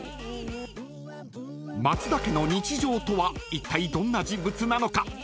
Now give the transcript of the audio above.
［マツダ家の日常とはいったいどんな人物なのか？］